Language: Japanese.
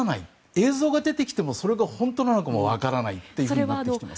映像が出てきてもそれが本当なのかわからないということになってきています。